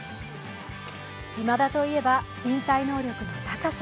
島田といえば、身体能力の高さ。